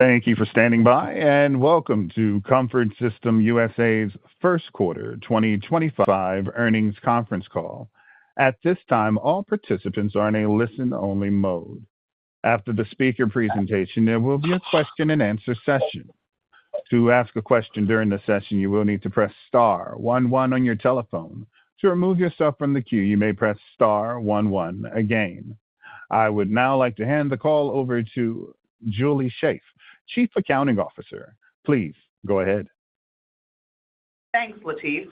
Thank you for standing by, and welcome to Comfort Systems USA's first quarter 2025 earnings conference call. At this time, all participants are in a listen-only mode. After the speaker presentation, there will be a question-and-answer session. To ask a question during the session, you will need to press star one one on your telephone. To remove yourself from the queue, you may press star one one again. I would now like to hand the call over to Julie Shaeff, Chief Accounting Officer. Please go ahead. Thanks, Latif.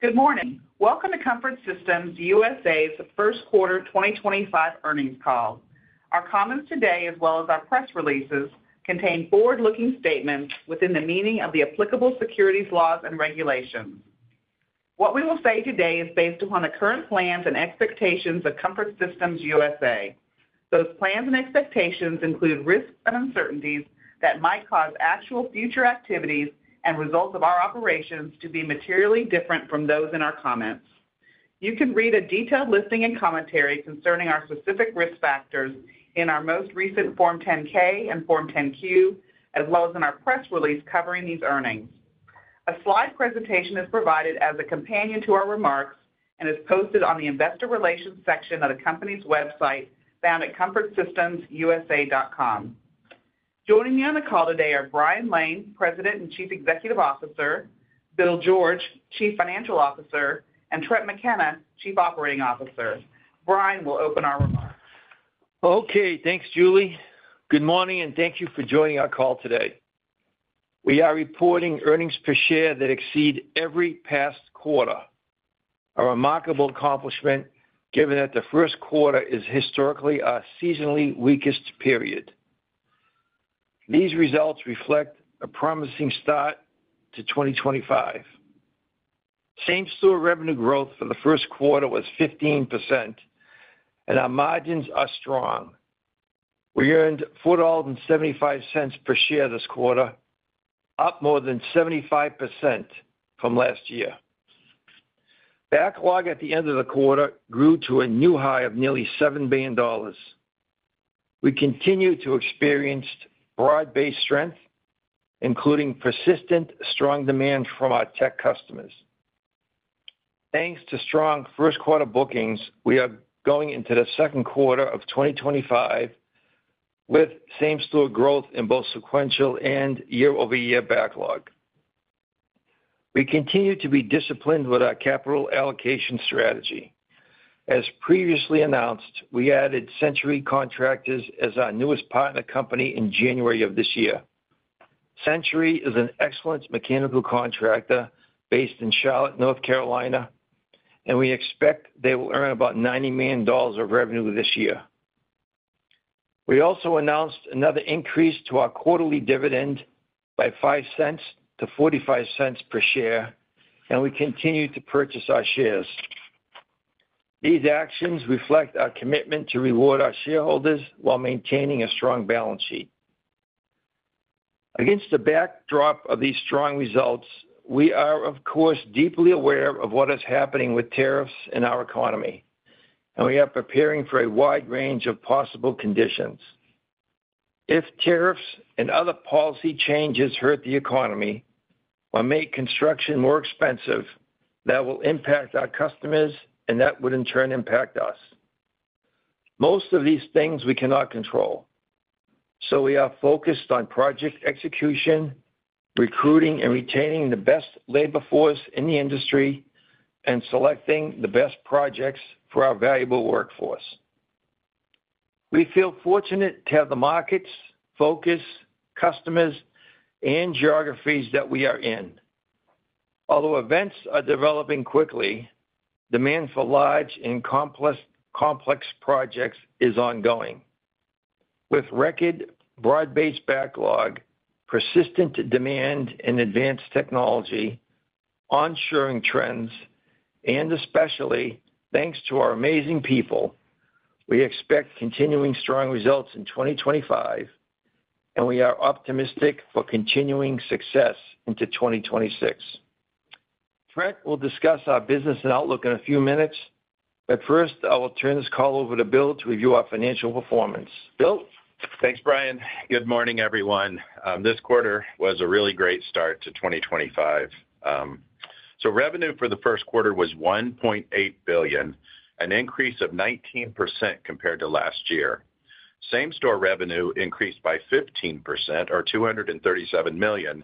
Good morning. Welcome to Comfort Systems USA's first quarter 2025 earnings call. Our comments today, as well as our press releases, contain forward-looking statements within the meaning of the applicable securities laws and regulations. What we will say today is based upon the current plans and expectations of Comfort Systems USA. Those plans and expectations include risks and uncertainties that might cause actual future activities and results of our operations to be materially different from those in our comments. You can read a detailed listing and commentary concerning our specific risk factors in our most recent Form 10-K and Form 10-Q, as well as in our press release covering these earnings. A slide presentation is provided as a companion to our remarks and is posted on the investor relations section of the company's website found at comfortsystemsusa.com. Joining me on the call today are Brian Lane, President and Chief Executive Officer; Bill George, Chief Financial Officer; and Trent McKenna, Chief Operating Officer. Brian will open our remarks. Okay, thanks, Julie. Good morning, and thank you for joining our call today. We are reporting earnings per share that exceed every past quarter, a remarkable accomplishment given that the first quarter is historically our seasonally weakest period. These results reflect a promising start to 2025. Same-store revenue growth for the first quarter was 15%, and our margins are strong. We earned $4.75 per share this quarter, up more than 75% from last year. Backlog at the end of the quarter grew to a new high of nearly $7 billion. We continue to experience broad-based strength, including persistent strong demand from our tech customers. Thanks to strong first-quarter bookings, we are going into the second quarter of 2025 with same-store growth in both sequential and year-over-year backlog. We continue to be disciplined with our capital allocation strategy. As previously announced, we added Century Contractors as our newest partner company in January of this year. Century is an excellent mechanical contractor based in Charlotte, North Carolina, and we expect they will earn about $90 million of revenue this year. We also announced another increase to our quarterly dividend by $0.05-$0.45 per share, and we continue to purchase our shares. These actions reflect our commitment to reward our shareholders while maintaining a strong balance sheet. Against the backdrop of these strong results, we are, of course, deeply aware of what is happening with tariffs in our economy, and we are preparing for a wide range of possible conditions. If tariffs and other policy changes hurt the economy or make construction more expensive, that will impact our customers, and that would, in turn, impact us. Most of these things we cannot control, so we are focused on project execution, recruiting and retaining the best labor force in the industry, and selecting the best projects for our valuable workforce. We feel fortunate to have the markets, focus, customers, and geographies that we are in. Although events are developing quickly, demand for large and complex projects is ongoing. With record broad-based backlog, persistent demand in advanced technology, onshoring trends, and especially thanks to our amazing people, we expect continuing strong results in 2025, and we are optimistic for continuing success into 2026. Trent will discuss our business and outlook in a few minutes, but first, I will turn this call over to Bill to review our financial performance. Bill? Thanks, Brian. Good morning, everyone. This quarter was a really great start to 2025. Revenue for the first quarter was $1.8 billion, an increase of 19% compared to last year. Same-store revenue increased by 15%, or $237 million,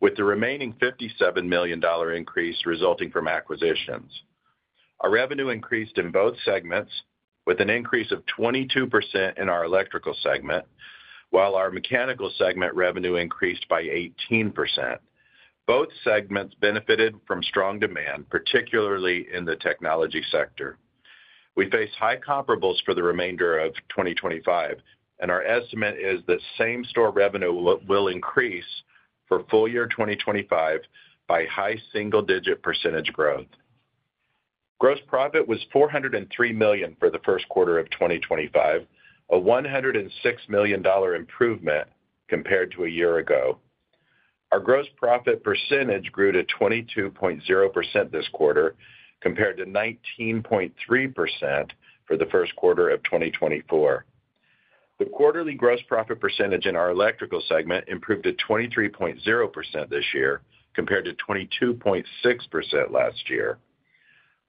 with the remaining $57 million increase resulting from acquisitions. Our revenue increased in both segments, with an increase of 22% in our electrical segment, while our mechanical segment revenue increased by 18%. Both segments benefited from strong demand, particularly in the technology sector. We face high comparables for the remainder of 2025, and our estimate is that same-store revenue will increase for full year 2025 by high single-digit percentage growth. Gross profit was $403 million for the first quarter of 2025, a $106 million improvement compared to a year ago. Our gross profit percentage grew to 22.0% this quarter, compared to 19.3% for the first quarter of 2024. The quarterly gross profit percentage in our electrical segment improved to 23.0% this year, compared to 22.6% last year.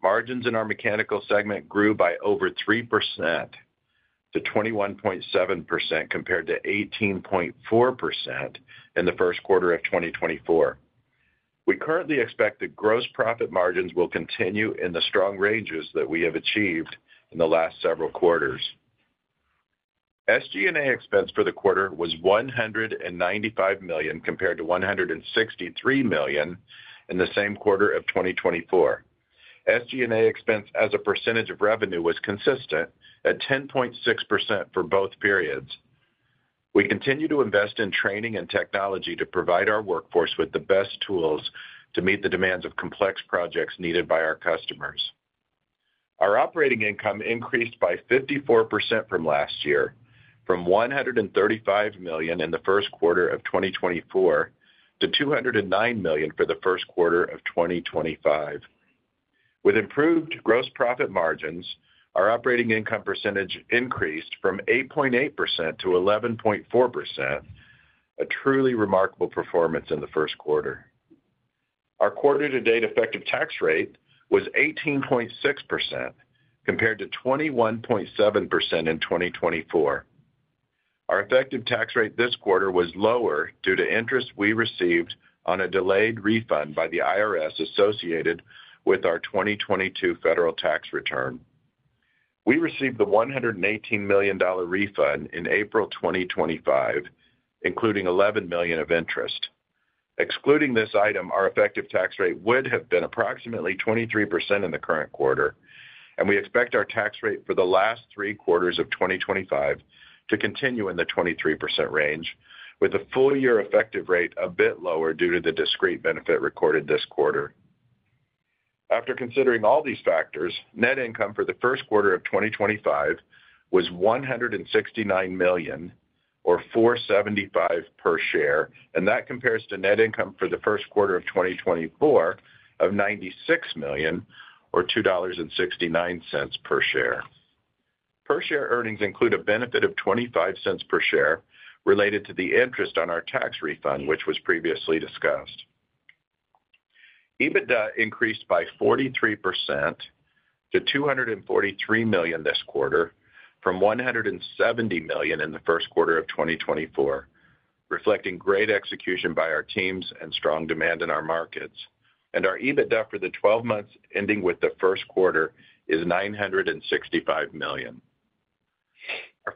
Margins in our mechanical segment grew by over 3% to 21.7%, compared to 18.4% in the first quarter of 2024. We currently expect that gross profit margins will continue in the strong ranges that we have achieved in the last several quarters. SG&A expense for the quarter was $195 million compared to $163 million in the same quarter of 2024. SG&A expense as a percentage of revenue was consistent at 10.6% for both periods. We continue to invest in training and technology to provide our workforce with the best tools to meet the demands of complex projects needed by our customers. Our operating income increased by 54% from last year, from $135 million in the first quarter of 2024 to $209 million for the first quarter of 2025. With improved gross profit margins, our operating income percentage increased from 8.8% to 11.4%, a truly remarkable performance in the first quarter. Our quarter-to-date effective tax rate was 18.6%, compared to 21.7% in 2024. Our effective tax rate this quarter was lower due to interest we received on a delayed refund by the IRS associated with our 2022 federal tax return. We received the $118 million refund in April 2025, including $11 million of interest. Excluding this item, our effective tax rate would have been approximately 23% in the current quarter, and we expect our tax rate for the last three quarters of 2025 to continue in the 23% range, with the full-year effective rate a bit lower due to the discrete benefit recorded this quarter. After considering all these factors, net income for the first quarter of 2025 was $169 million, or $4.75 per share, and that compares to net income for the first quarter of 2024 of $96 million, or $2.69 per share. Per-share earnings include a benefit of $0.25 per share related to the interest on our tax refund, which was previously discussed. EBITDA increased by 43% to $243 million this quarter, from $170 million in the first quarter of 2024, reflecting great execution by our teams and strong demand in our markets. Our EBITDA for the 12 months ending with the first quarter is $965 million.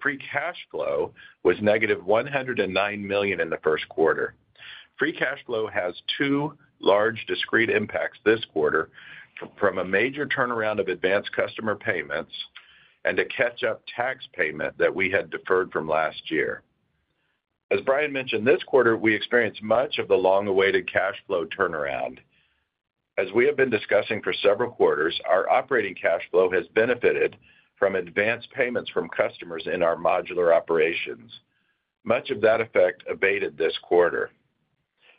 Our free cash flow was negative $109 million in the first quarter. Free cash flow has two large discrete impacts this quarter, from a major turnaround of advanced customer payments and a catch-up tax payment that we had deferred from last year. As Brian mentioned, this quarter, we experienced much of the long-awaited cash flow turnaround. As we have been discussing for several quarters, our operating cash flow has benefited from advanced payments from customers in our modular operations. Much of that effect abated this quarter.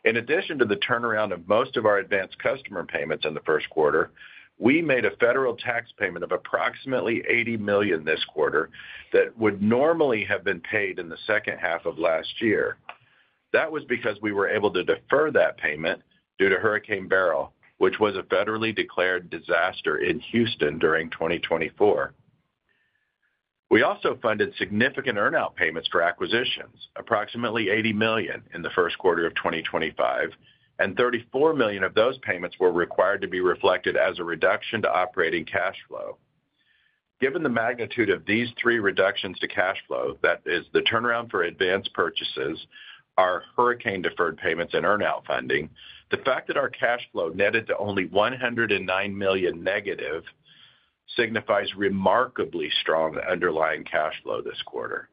In addition to the turnaround of most of our advanced customer payments in the first quarter, we made a federal tax payment of approximately $80 million this quarter that would normally have been paid in the second half of last year. That was because we were able to defer that payment due to Hurricane Beryl, which was a federally declared disaster in Houston during 2024. We also funded significant earnout payments for acquisitions, approximately $80 million in the first quarter of 2025, and $34 million of those payments were required to be reflected as a reduction to operating cash flow. Given the magnitude of these three reductions to cash flow, that is, the turnaround for advanced purchases, our hurricane-deferred payments, and earnout funding, the fact that our cash flow netted to only $109 million negative signifies remarkably strong underlying cash flow this quarter.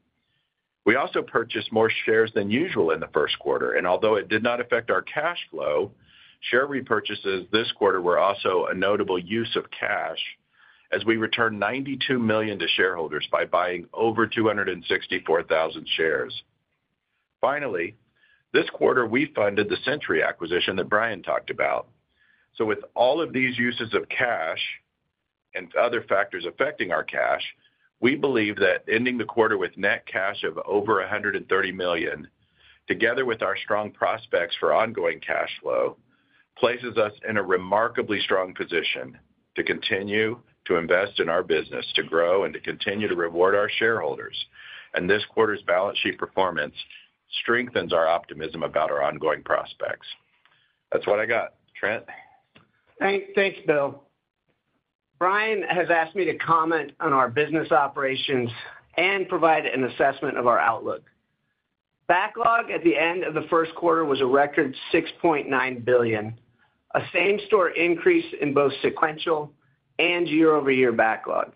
We also purchased more shares than usual in the first quarter, and although it did not affect our cash flow, share repurchases this quarter were also a notable use of cash, as we returned $92 million to shareholders by buying over 264,000 shares. Finally, this quarter, we funded the Century acquisition that Brian talked about. With all of these uses of cash and other factors affecting our cash, we believe that ending the quarter with net cash of over $130 million, together with our strong prospects for ongoing cash flow, places us in a remarkably strong position to continue to invest in our business, to grow, and to continue to reward our shareholders. This quarter's balance sheet performance strengthens our optimism about our ongoing prospects. That's what I got. Trent? Thanks, Bill. Brian has asked me to comment on our business operations and provide an assessment of our outlook. Backlog at the end of the first quarter was a record $6.9 billion, a same-store increase in both sequential and year-over-year backlog.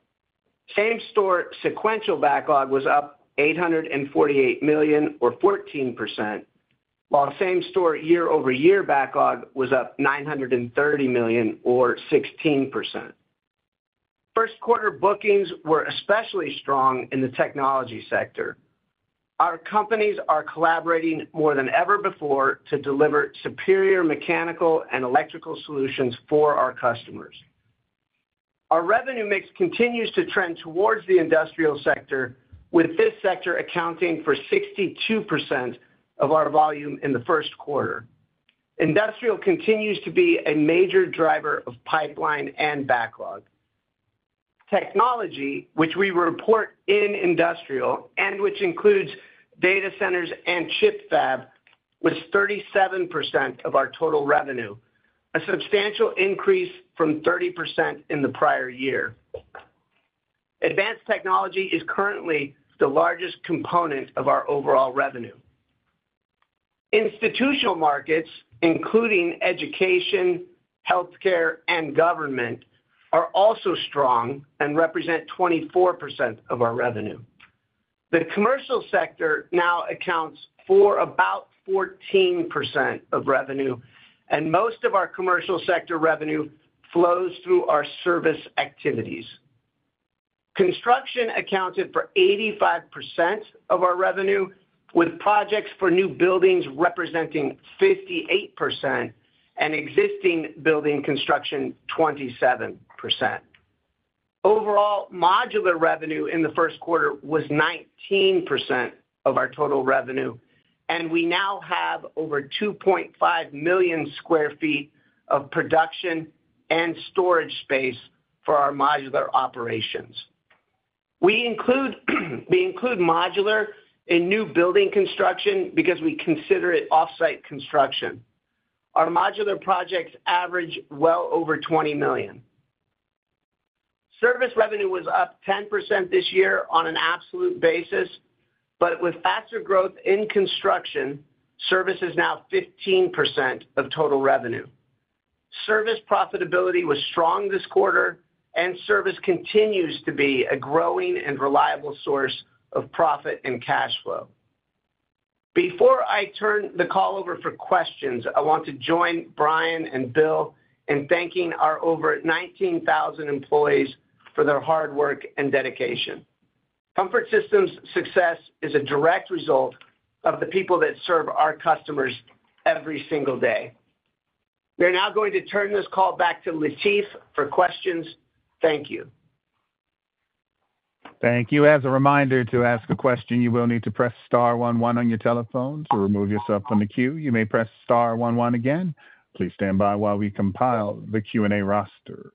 Same-store sequential backlog was up $848 million, or 14%, while same-store year-over-year backlog was up $930 million, or 16%. First-quarter bookings were especially strong in the technology sector. Our companies are collaborating more than ever before to deliver superior mechanical and electrical solutions for our customers. Our revenue mix continues to trend towards the industrial sector, with this sector accounting for 62% of our volume in the first quarter. Industrial continues to be a major driver of pipeline and backlog. Technology, which we report in industrial and which includes data centers and chip fab, was 37% of our total revenue, a substantial increase from 30% in the prior year. Advanced technology is currently the largest component of our overall revenue. Institutional markets, including education, healthcare, and government, are also strong and represent 24% of our revenue. The commercial sector now accounts for about 14% of revenue, and most of our commercial sector revenue flows through our service activities. Construction accounted for 85% of our revenue, with projects for new buildings representing 58% and existing building construction 27%. Overall, modular revenue in the first quarter was 19% of our total revenue, and we now have over 2.5 million sq ft of production and storage space for our modular operations. We include modular in new building construction because we consider it off-site construction. Our modular projects average well over $20 million. Service revenue was up 10% this year on an absolute basis, but with faster growth in construction, service is now 15% of total revenue. Service profitability was strong this quarter, and service continues to be a growing and reliable source of profit and cash flow. Before I turn the call over for questions, I want to join Brian and Bill in thanking our over 19,000 employees for their hard work and dedication. Comfort Systems USA's success is a direct result of the people that serve our customers every single day. We are now going to turn this call back to Latif for questions. Thank you. Thank you. As a reminder to ask a question, you will need to press star 11 on your telephone to remove yourself from the queue. You may press star 11 again. Please stand by while we compile the Q&A roster.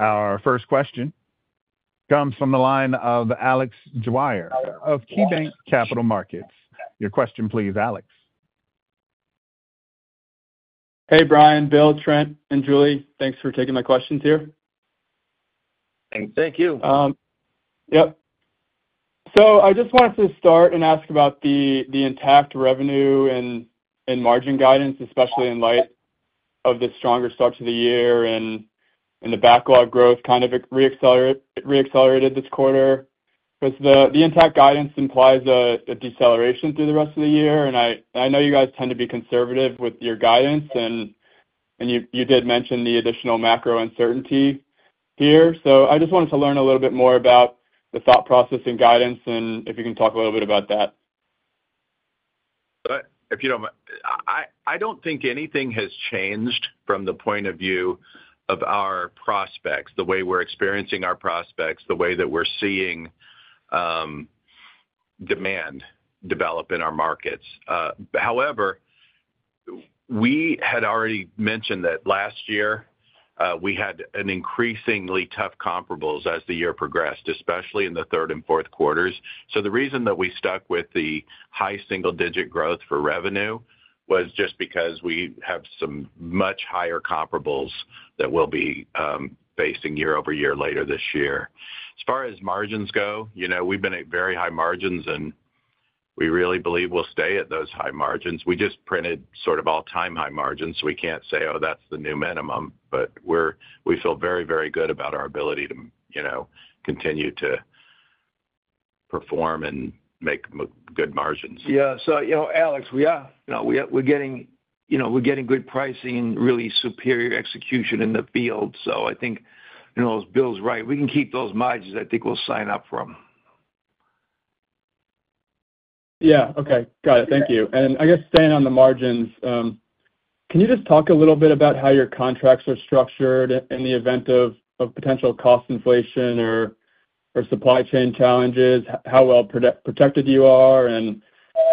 Our first question comes from the line of Alex Dwyer of KeyBanc Capital Markets. Your question, please, Alex. Hey, Brian, Bill, Trent, and Julie. Thanks for taking my questions here. Thank you. Yep. I just wanted to start and ask about the intact revenue and margin guidance, especially in light of the stronger start to the year and the backlog growth kind of reaccelerated this quarter. The intact guidance implies a deceleration through the rest of the year, and I know you guys tend to be conservative with your guidance, and you did mention the additional macro uncertainty here. I just wanted to learn a little bit more about the thought process and guidance, and if you can talk a little bit about that. I don't think anything has changed from the point of view of our prospects, the way we're experiencing our prospects, the way that we're seeing demand develop in our markets. However, we had already mentioned that last year we had increasingly tough comparables as the year progressed, especially in the third and fourth quarters. The reason that we stuck with the high single-digit growth for revenue was just because we have some much higher comparables that we'll be facing year-over-year later this year. As far as margins go, we've been at very high margins, and we really believe we'll stay at those high margins. We just printed sort of all-time high margins, so we can't say, "Oh, that's the new minimum," but we feel very, very good about our ability to continue to perform and make good margins. Yeah. Alex, yeah, we're getting good pricing, really superior execution in the field. I think Bill's right. We can keep those margins. I think we'll sign up for them. Yeah. Okay. Got it. Thank you. I guess staying on the margins, can you just talk a little bit about how your contracts are structured in the event of potential cost inflation or supply chain challenges, how well protected you are, and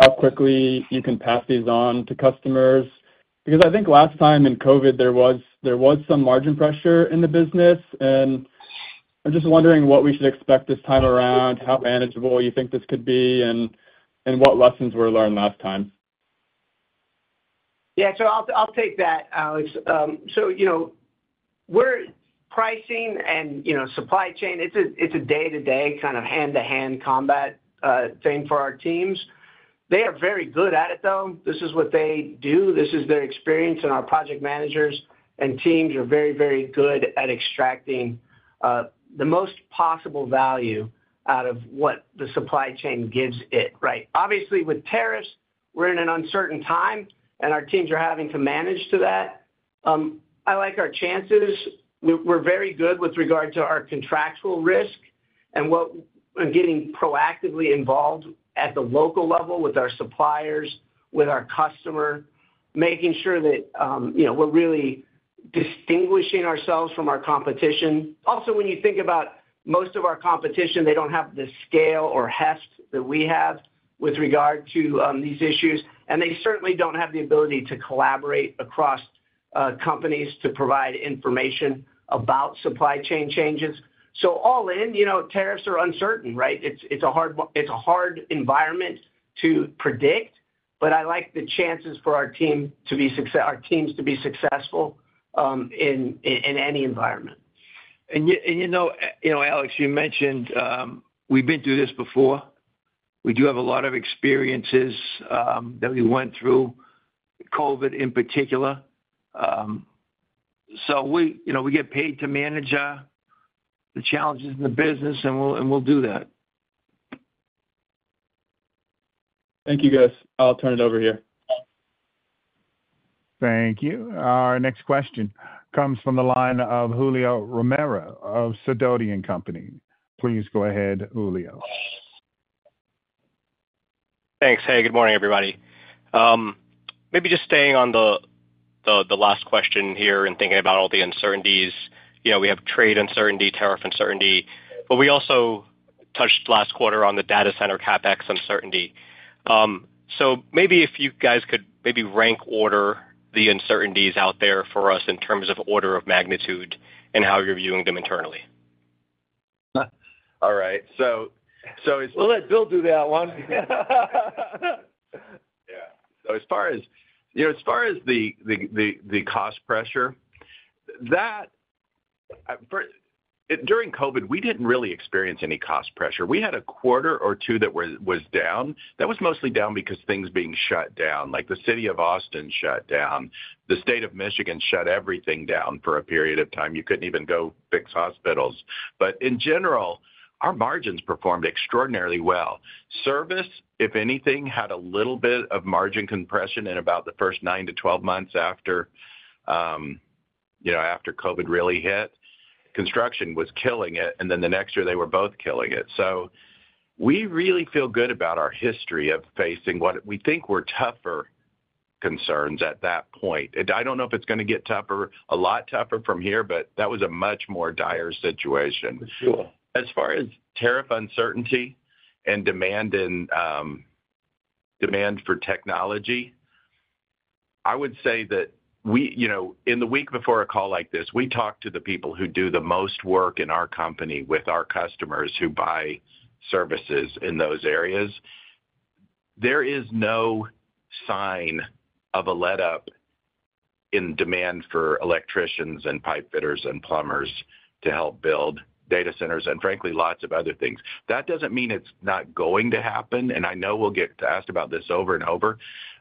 how quickly you can pass these on to customers? Because I think last time in COVID, there was some margin pressure in the business, and I'm just wondering what we should expect this time around, how manageable you think this could be, and what lessons were learned last time. Yeah. I'll take that, Alex. Pricing and supply chain, it's a day-to-day kind of hand-to-hand combat thing for our teams. They are very good at it, though. This is what they do. This is their experience, and our project managers and teams are very, very good at extracting the most possible value out of what the supply chain gives it, right? Obviously, with tariffs, we're in an uncertain time, and our teams are having to manage to that. I like our chances. We're very good with regard to our contractual risk and getting proactively involved at the local level with our suppliers, with our customer, making sure that we're really distinguishing ourselves from our competition. Also, when you think about most of our competition, they do not have the scale or heft that we have with regard to these issues, and they certainly do not have the ability to collaborate across companies to provide information about supply chain changes. All in, tariffs are uncertain, right? It is a hard environment to predict, but I like the chances for our teams to be successful in any environment. Alex, you mentioned we've been through this before. We do have a lot of experiences that we went through, COVID in particular. We get paid to manage the challenges in the business, and we'll do that. Thank you, guys. I'll turn it over here. Thank you. Our next question comes from the line of Julio Romero of Sidoti & Company. Please go ahead, Julio. Thanks. Hey, good morning, everybody. Maybe just staying on the last question here and thinking about all the uncertainties. We have trade uncertainty, tariff uncertainty, but we also touched last quarter on the data center CapEx uncertainty. Maybe if you guys could maybe rank order the uncertainties out there for us in terms of order of magnitude and how you're viewing them internally. All right. So it's. We'll let Bill do that one. Yeah. As far as the cost pressure, during COVID, we did not really experience any cost pressure. We had a quarter or two that was down. That was mostly down because things being shut down, like the city of Austin shut down. The state of Michigan shut everything down for a period of time. You could not even go fix hospitals. In general, our margins performed extraordinarily well. Service, if anything, had a little bit of margin compression in about the first 9-12 months after COVID really hit. Construction was killing it, and the next year, they were both killing it. We really feel good about our history of facing what we think were tougher concerns at that point. I do not know if it is going to get tougher, a lot tougher from here, but that was a much more dire situation. As far as tariff uncertainty and demand for technology, I would say that in the week before a call like this, we talked to the people who do the most work in our company with our customers who buy services in those areas. There is no sign of a let-up in demand for electricians and pipe fitters and plumbers to help build data centers and, frankly, lots of other things. That does not mean it is not going to happen, and I know we will get asked about this over and over,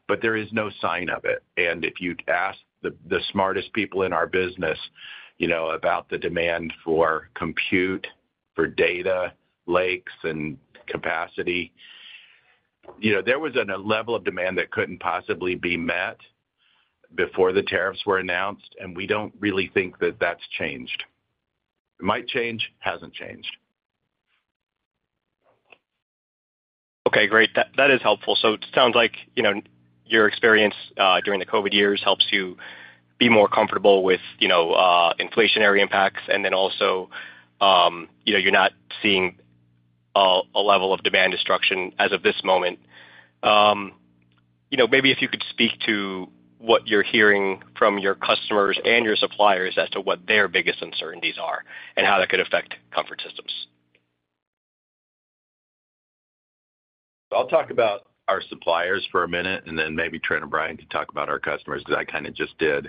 but there is no sign of it. If you ask the smartest people in our business about the demand for compute, for data lakes, and capacity, there was a level of demand that could not possibly be met before the tariffs were announced, and we do not really think that that has changed. It might change. Has not changed. Okay. Great. That is helpful. It sounds like your experience during the COVID years helps you be more comfortable with inflationary impacts, and then also you're not seeing a level of demand destruction as of this moment. Maybe if you could speak to what you're hearing from your customers and your suppliers as to what their biggest uncertainties are and how that could affect Comfort Systems. I'll talk about our suppliers for a minute, and then maybe Trent or Brian can talk about our customers because I kind of just did.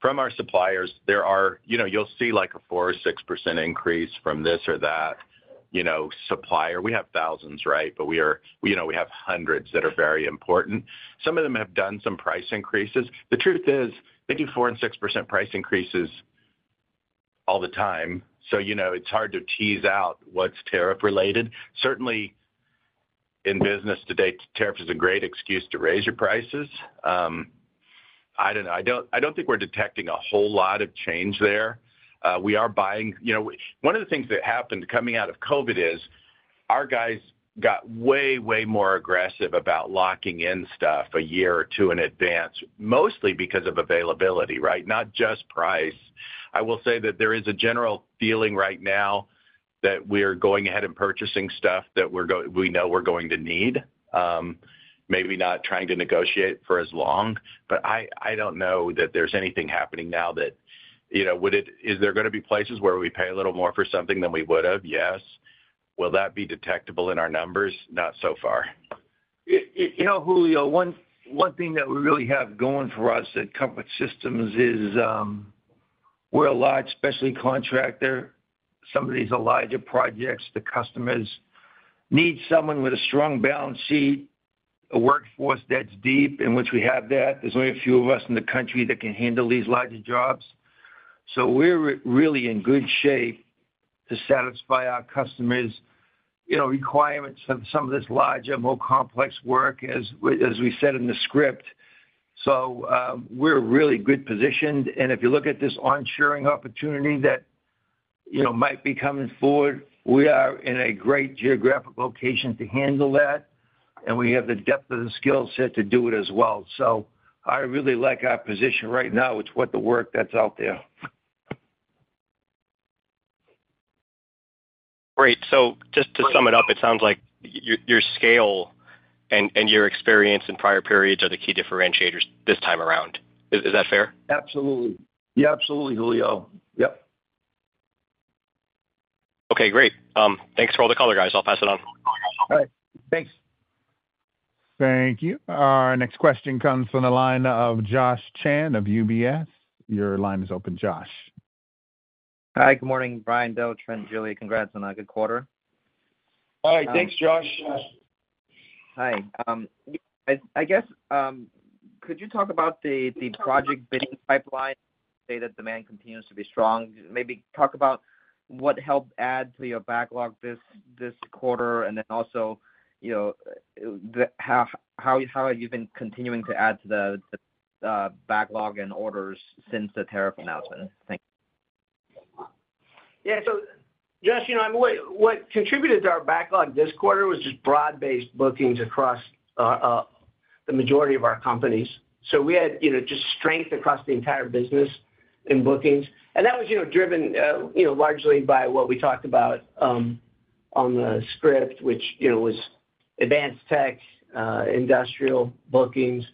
From our suppliers, you'll see like a 4%-6% increase from this or that supplier. We have thousands, right? We have hundreds that are very important. Some of them have done some price increases. The truth is they do 4% and 6% price increases all the time, so it's hard to tease out what's tariff-related. Certainly, in business today, tariff is a great excuse to raise your prices. I don't know. I don't think we're detecting a whole lot of change there. We are buying. One of the things that happened coming out of COVID is our guys got way, way more aggressive about locking in stuff a year or two in advance, mostly because of availability, right? Not just price. I will say that there is a general feeling right now that we are going ahead and purchasing stuff that we know we're going to need, maybe not trying to negotiate for as long. I do not know that there's anything happening now that is there going to be places where we pay a little more for something than we would have? Yes. Will that be detectable in our numbers? Not so far. Julio, one thing that we really have going for us at Comfort Systems USA is we're a large specialty contractor. Some of these are larger projects. The customers need someone with a strong balance sheet, a workforce that's deep, in which we have that. There's only a few of us in the country that can handle these larger jobs. We are really in good shape to satisfy our customers' requirements for some of this larger, more complex work, as we said in the script. We are really good positioned. If you look at this onshoring opportunity that might be coming forward, we are in a great geographic location to handle that, and we have the depth of the skill set to do it as well. I really like our position right now. It's worth the work that's out there. Great. Just to sum it up, it sounds like your scale and your experience in prior periods are the key differentiators this time around. Is that fair? Absolutely. Yeah. Absolutely, Julio. Yep. Okay. Great. Thanks for all the color, guys. I'll pass it on. All right. Thanks. Thank you. Our next question comes from the line of Josh Chan of UBS. Your line is open, Josh. Hi. Good morning, Brian, Bill, Trent, Julie. Congrats on a good quarter. Hi. Thanks, Josh. Hi. I guess could you talk about the project bidding pipeline? Say that demand continues to be strong. Maybe talk about what helped add to your backlog this quarter and then also how have you been continuing to add to the backlog and orders since the tariff announcement? Thank you. Yeah. Josh, what contributed to our backlog this quarter was just broad-based bookings across the majority of our companies. We had just strength across the entire business in bookings. That was driven largely by what we talked about on the script, which was advanced tech, industrial bookings.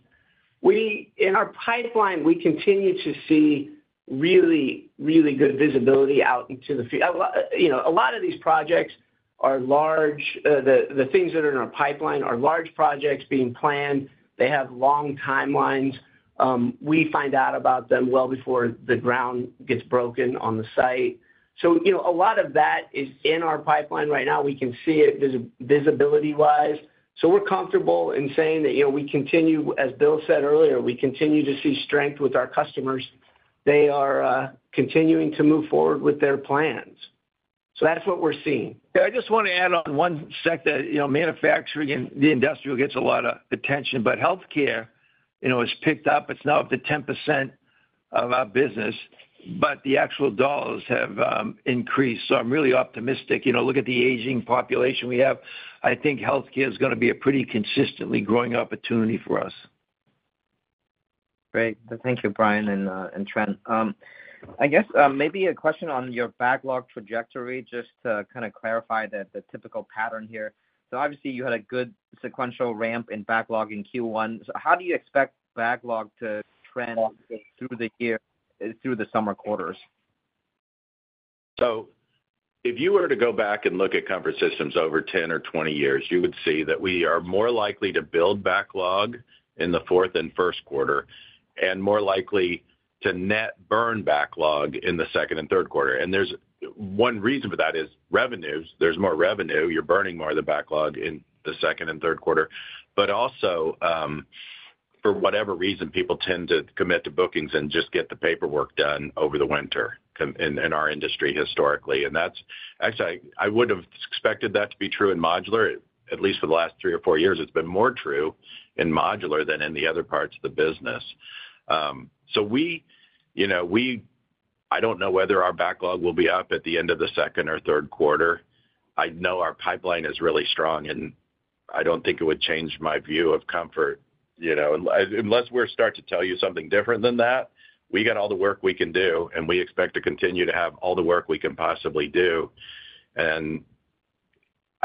In our pipeline, we continue to see really, really good visibility out into the field. A lot of these projects are large; the things that are in our pipeline are large projects being planned. They have long timelines. We find out about them well before the ground gets broken on the site. A lot of that is in our pipeline right now. We can see it visibility-wise. We are comfortable in saying that we continue, as Bill said earlier, we continue to see strength with our customers. They are continuing to move forward with their plans. That's what we're seeing. Yeah. I just want to add on one sec that manufacturing and the industrial gets a lot of attention, but healthcare has picked up. It's now up to 10% of our business, but the actual dollars have increased. So I'm really optimistic. Look at the aging population we have. I think healthcare is going to be a pretty consistently growing opportunity for us. Great. Thank you, Brian and Trent. I guess maybe a question on your backlog trajectory, just to kind of clarify the typical pattern here. Obviously, you had a good sequential ramp in backlog in Q1. How do you expect backlog to trend through the summer quarters? If you were to go back and look at Comfort Systems USA over 10 or 20 years, you would see that we are more likely to build backlog in the fourth and first quarter and more likely to net burn backlog in the second and third quarter. One reason for that is revenues. There is more revenue. You are burning more of the backlog in the second and third quarter. Also, for whatever reason, people tend to commit to bookings and just get the paperwork done over the winter in our industry historically. Actually, I would have expected that to be true in modular. At least for the last three or four years, it has been more true in modular than in the other parts of the business. I do not know whether our backlog will be up at the end of the second or third quarter. I know our pipeline is really strong, and I do not think it would change my view of Comfort. Unless we start to tell you something different than that, we got all the work we can do, and we expect to continue to have all the work we can possibly do. I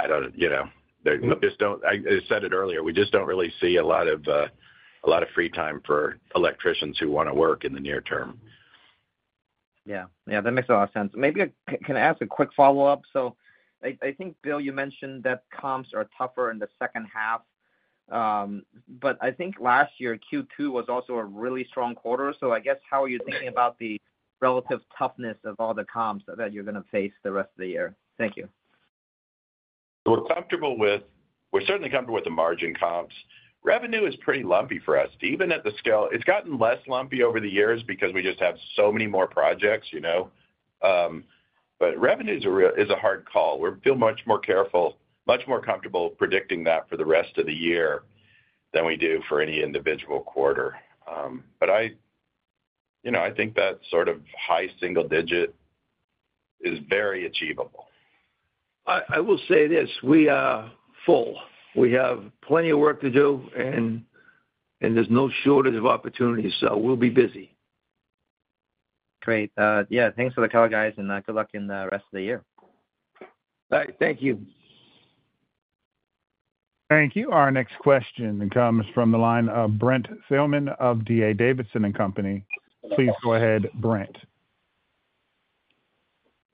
do not know. I said it earlier. We just do not really see a lot of free time for electricians who want to work in the near term. Yeah. Yeah. That makes a lot of sense. Maybe can I ask a quick follow-up? I think, Bill, you mentioned that comps are tougher in the second half. I think last year, Q2 was also a really strong quarter. I guess how are you thinking about the relative toughness of all the comps that you're going to face the rest of the year? Thank you. We're comfortable with, we're certainly comfortable with the margin comps. Revenue is pretty lumpy for us. Even at the scale, it's gotten less lumpy over the years because we just have so many more projects. Revenue is a hard call. We feel much more careful, much more comfortable predicting that for the rest of the year than we do for any individual quarter. I think that sort of high single digit is very achievable. I will say this: we are full. We have plenty of work to do, and there is no shortage of opportunities. We will be busy. Great. Yeah. Thanks for the call, guys, and good luck in the rest of the year. All right. Thank you. Thank you. Our next question comes from the line of Brent Thielman of D.A. Davidson & Company. Please go ahead, Brent.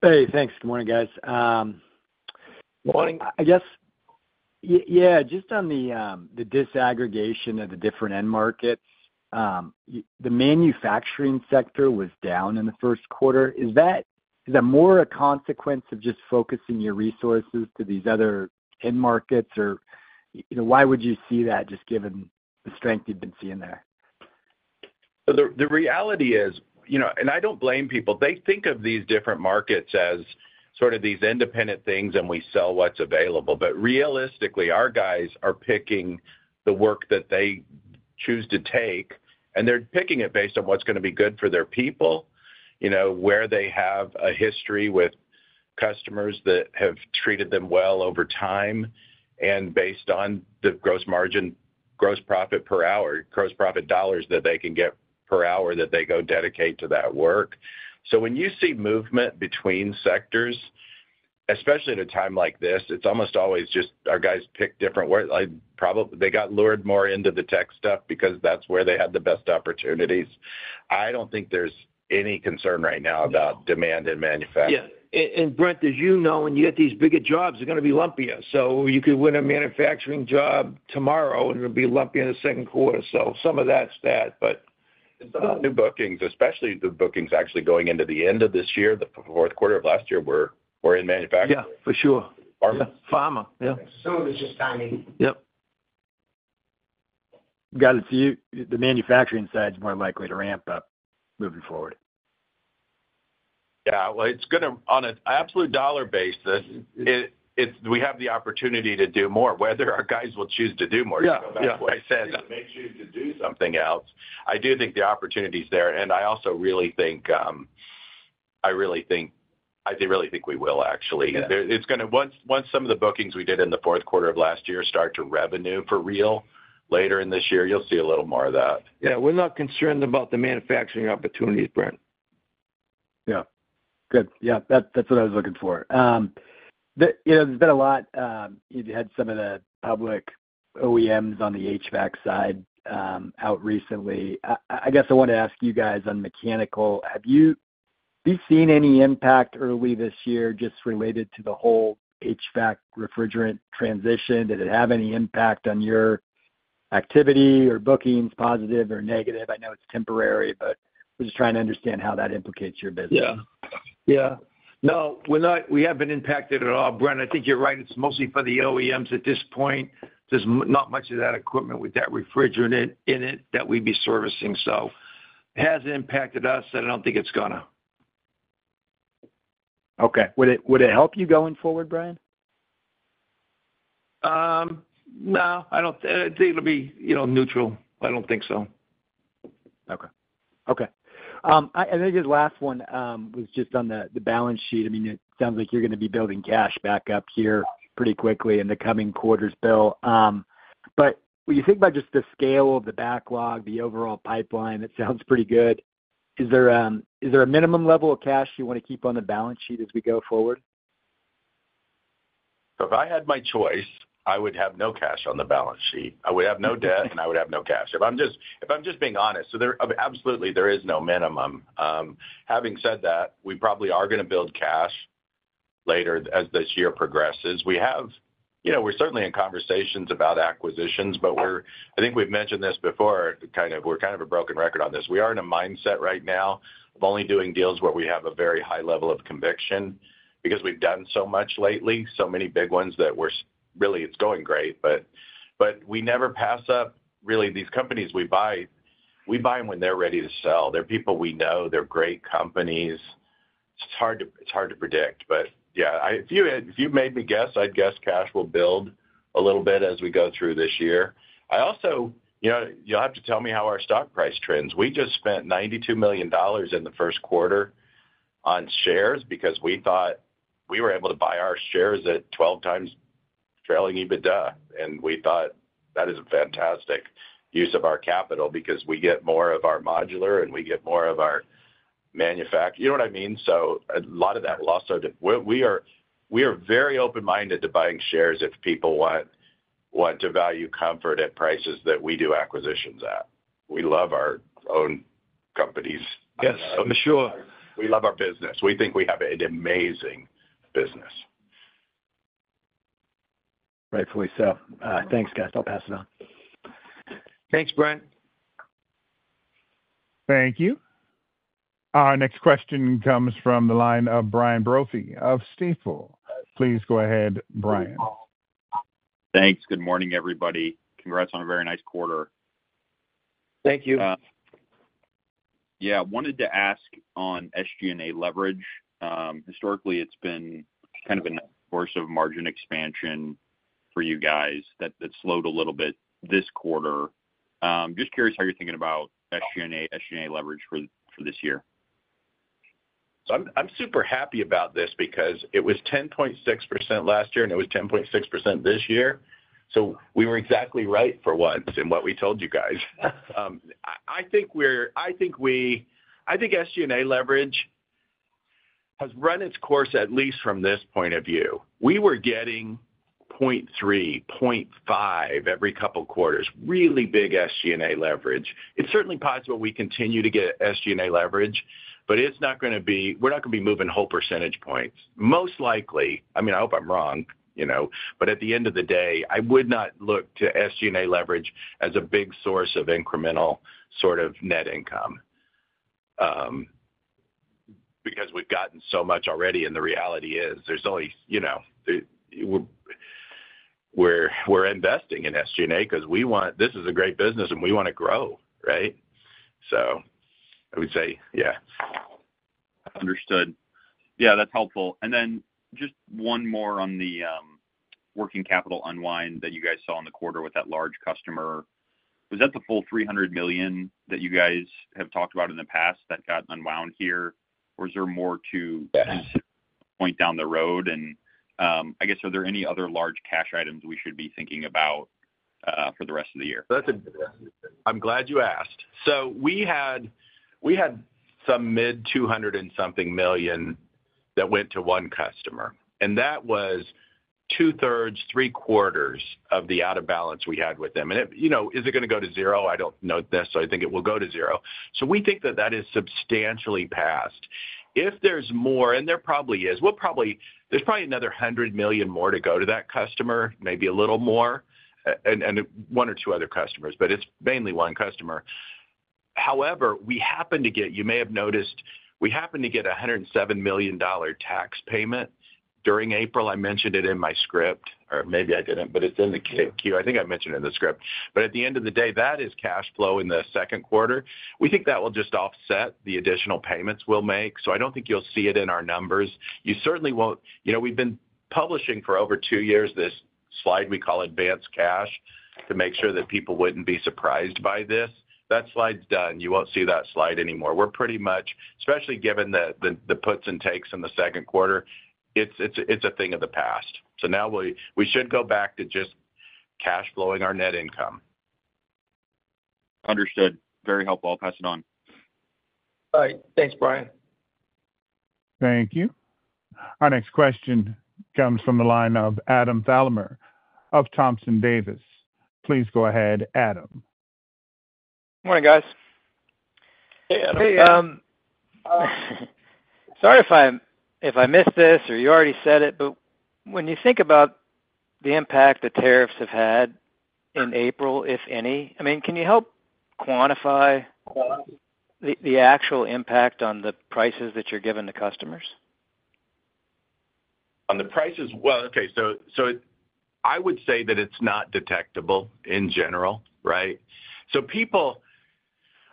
Hey. Thanks. Good morning, guys. Good morning. I guess, yeah, just on the disaggregation of the different end markets, the manufacturing sector was down in the first quarter. Is that more a consequence of just focusing your resources to these other end markets? Or why would you see that, just given the strength you've been seeing there? The reality is, and I don't blame people. They think of these different markets as sort of these independent things, and we sell what's available. Realistically, our guys are picking the work that they choose to take, and they're picking it based on what's going to be good for their people, where they have a history with customers that have treated them well over time, and based on the gross margin, gross profit per hour, gross profit dollars that they can get per hour that they go dedicate to that work. When you see movement between sectors, especially at a time like this, it's almost always just our guys pick different work. They got lured more into the tech stuff because that's where they had the best opportunities. I don't think there's any concern right now about demand and manufacturing. Yeah. Brent, as you know, when you get these bigger jobs, they're going to be lumpier. You could win a manufacturing job tomorrow, and it'll be lumpier in the second quarter. Some of that's that. Some of the new bookings, especially the bookings actually going into the end of this year, the fourth quarter of last year, were in manufacturing. Yeah. For sure. Pharma. Yeah. Some of it's just timing. Yep. Got it. The manufacturing side is more likely to ramp up moving forward. Yeah. It's going to, on an absolute dollar basis, we have the opportunity to do more, whether our guys will choose to do more. Just go back to what I said. They may choose to do something else. I do think the opportunity is there. I also really think we will, actually. Once some of the bookings we did in the fourth quarter of last year start to revenue for real later in this year, you'll see a little more of that. Yeah. We're not concerned about the manufacturing opportunities, Brent. Yeah. Good. Yeah. That's what I was looking for. There's been a lot you've had some of the public OEMs on the HVAC side out recently. I guess I wanted to ask you guys on mechanical. Have you seen any impact early this year just related to the whole HVAC refrigerant transition? Did it have any impact on your activity or bookings, positive or negative? I know it's temporary, but we're just trying to understand how that implicates your business. Yeah. Yeah. No, we haven't been impacted at all. Brent, I think you're right. It's mostly for the OEMs at this point. There's not much of that equipment with that refrigerant in it that we'd be servicing. It hasn't impacted us, and I don't think it's going to. Okay. Would it help you going forward, Brian? No. I think it'll be neutral. I don't think so. Okay. Okay. I think his last one was just on the balance sheet. I mean, it sounds like you're going to be building cash back up here pretty quickly in the coming quarters, Bill. When you think about just the scale of the backlog, the overall pipeline, it sounds pretty good. Is there a minimum level of cash you want to keep on the balance sheet as we go forward? If I had my choice, I would have no cash on the balance sheet. I would have no debt, and I would have no cash. If I'm just being honest, absolutely, there is no minimum. Having said that, we probably are going to build cash later as this year progresses. We're certainly in conversations about acquisitions. I think we've mentioned this before. We're kind of a broken record on this. We are in a mindset right now of only doing deals where we have a very high level of conviction because we've done so much lately, so many big ones that it's going great. We never pass up, really. These companies we buy, we buy them when they're ready to sell. They're people we know. They're great companies. It's hard to predict. Yeah, if you made me guess, I'd guess cash will build a little bit as we go through this year. I also, you'll have to tell me how our stock price trends. We just spent $92 million in the first quarter on shares because we thought we were able to buy our shares at 12 times trailing EBITDA. We thought that is a fantastic use of our capital because we get more of our modular, and we get more of our manufacturing. You know what I mean? A lot of that will also, we are very open-minded to buying shares if people want to value Comfort at prices that we do acquisitions at. We love our own companies. Yes, I'm sure. We love our business. We think we have an amazing business. Rightfully so. Thanks, guys. I'll pass it on. Thanks, Brent. Thank you. Our next question comes from the line of Brian Brophy of Stifel. Please go ahead, Brian. Thanks. Good morning, everybody. Congrats on a very nice quarter. Thank you. Yeah. I wanted to ask on SG&A leverage. Historically, it's been kind of a force of margin expansion for you guys that slowed a little bit this quarter. Just curious how you're thinking about SG&A leverage for this year. I'm super happy about this because it was 10.6% last year, and it was 10.6% this year. We were exactly right for once in what we told you guys. I think SG&A leverage has run its course at least from this point of view. We were getting 0.3, 0.5 every couple of quarters. Really big SG&A leverage. It's certainly possible we continue to get SG&A leverage, but it's not going to be, we're not going to be moving whole percentage points. Most likely, I mean, I hope I'm wrong. At the end of the day, I would not look to SG&A leverage as a big source of incremental sort of net income because we've gotten so much already. The reality is we're investing in SG&A because we want this is a great business, and we want to grow, right? I would say, yeah. Understood. Yeah. That's helpful. Just one more on the working capital unwind that you guys saw in the quarter with that large customer. Was that the full $300 million that you guys have talked about in the past that got unwound here? Is there more to Point down the road? I guess, are there any other large cash items we should be thinking about for the rest of the year? I'm glad you asked. We had some mid $200 million and something that went to one customer. That was two-thirds, three-quarters of the out-of-balance we had with them. Is it going to go to zero? I don't know this. I think it will go to zero. We think that that is substantially past. If there's more, and there probably is. There's probably another $100 million more to go to that customer, maybe a little more, and one or two other customers. It's mainly one customer. You may have noticed we happen to get a $107 million tax payment during April. I mentioned it in my script, or maybe I didn't, but it's in the Q. I think I mentioned it in the script. At the end of the day, that is cash flow in the second quarter. We think that will just offset the additional payments we'll make. I don't think you'll see it in our numbers. You certainly won't. We've been publishing for over two years this slide we call advanced cash to make sure that people wouldn't be surprised by this. That slide's done. You won't see that slide anymore. We're pretty much, especially given the puts and takes in the second quarter, it's a thing of the past. Now we should go back to just cash flowing our net income. Understood. Very helpful. I'll pass it on. All right. Thanks, Brian. Thank you. Our next question comes from the line of Adam Thalhimer of Thompson Davis. Please go ahead, Adam. Morning, guys. Hey, Adam. Sorry if I missed this or you already said it, but when you think about the impact the tariffs have had in April, if any, I mean, can you help quantify the actual impact on the prices that you're giving to customers? On the prices? Okay. I would say that it's not detectable in general, right? People,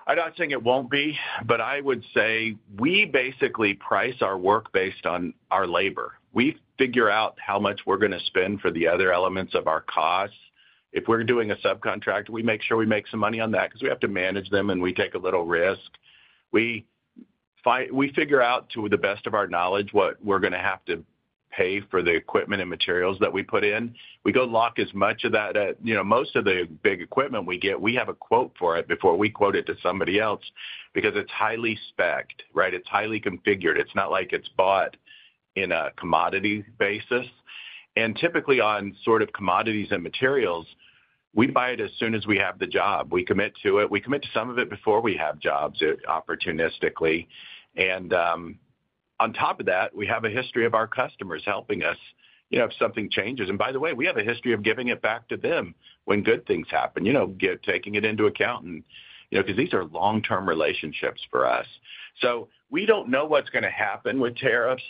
I'm not saying it won't be, but I would say we basically price our work based on our labor. We figure out how much we're going to spend for the other elements of our costs. If we're doing a subcontract, we make sure we make some money on that because we have to manage them, and we take a little risk. We figure out, to the best of our knowledge, what we're going to have to pay for the equipment and materials that we put in. We go lock as much of that. Most of the big equipment we get, we have a quote for it before we quote it to somebody else because it's highly specced, right? It's highly configured. It's not like it's bought in a commodity basis. Typically, on sort of commodities and materials, we buy it as soon as we have the job. We commit to it. We commit to some of it before we have jobs opportunistically. On top of that, we have a history of our customers helping us if something changes. By the way, we have a history of giving it back to them when good things happen, taking it into account because these are long-term relationships for us. We do not know what is going to happen with tariffs.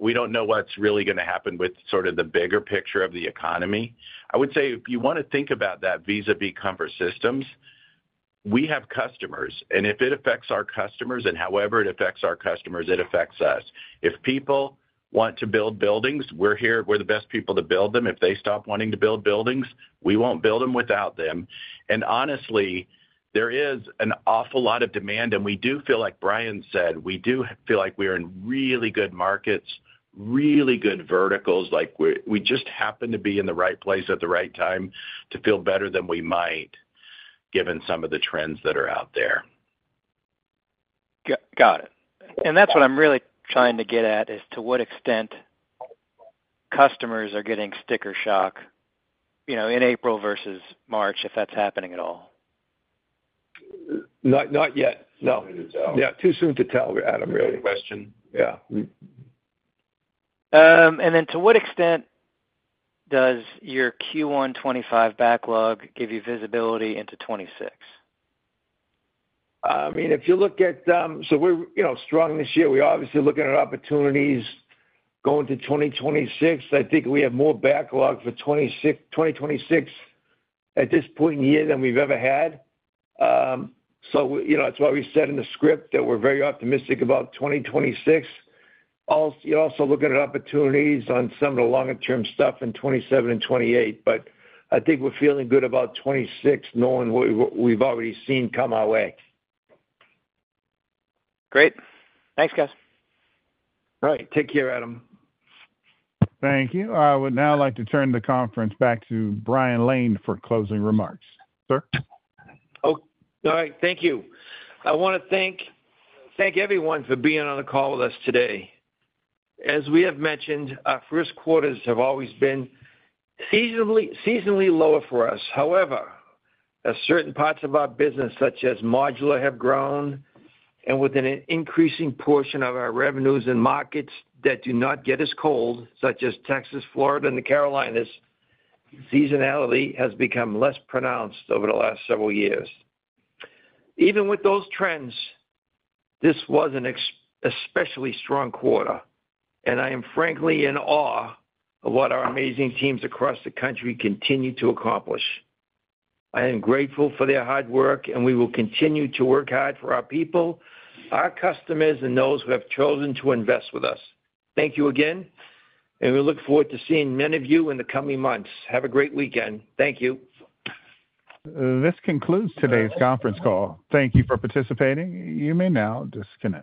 We do not know what is really going to happen with sort of the bigger picture of the economy. I would say if you want to think about that vis-à-vis Comfort Systems USA, we have customers. If it affects our customers and however it affects our customers, it affects us. If people want to build buildings, we are here. We're the best people to build them. If they stop wanting to build buildings, we won't build them without them. Honestly, there is an awful lot of demand. We do feel like Brian said, we do feel like we are in really good markets, really good verticals. We just happen to be in the right place at the right time to feel better than we might given some of the trends that are out there. Got it. That is what I'm really trying to get at is to what extent customers are getting sticker shock in April versus March, if that is happening at all. Not yet. No. Yeah. Too soon to tell, Adam, really. Question. Yeah. To what extent does your Q1 2025 backlog give you visibility into 2026? I mean, if you look at it, we're strong this year. We're obviously looking at opportunities going to 2026. I think we have more backlog for 2026 at this point in the year than we've ever had. That is why we said in the script that we're very optimistic about 2026. You're also looking at opportunities on some of the longer-term stuff in 2027 and 2028. I think we're feeling good about 2026 knowing what we've already seen come our way. Great. Thanks, guys. All right. Take care, Adam. Thank you. I would now like to turn the conference back to Brian Lane for closing remarks. Sir? All right. Thank you. I want to thank everyone for being on the call with us today. As we have mentioned, first quarters have always been seasonally lower for us. However, certain parts of our business, such as modular, have grown. With an increasing portion of our revenues and markets that do not get as cold, such as Texas, Florida, and the Carolinas, seasonality has become less pronounced over the last several years. Even with those trends, this was an especially strong quarter. I am frankly in awe of what our amazing teams across the country continue to accomplish. I am grateful for their hard work, and we will continue to work hard for our people, our customers, and those who have chosen to invest with us. Thank you again. We look forward to seeing many of you in the coming months. Have a great weekend. Thank you. This concludes today's conference call. Thank you for participating. You may now disconnect.